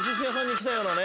来たようなね。